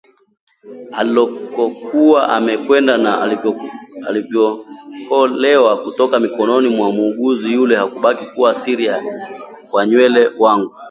Alilokokuwa amekwenda na nilivyookolewa kutoka mikononi mwa muuguzi yule hubaki kuwa siri ya wavyele wangu